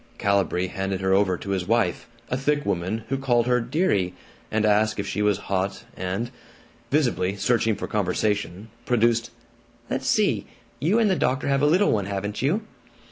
Calibree handed her over to his wife, a thick woman who called her "dearie," and asked if she was hot and, visibly searching for conversation, produced, "Let's see, you and the doctor have a Little One, haven't you?"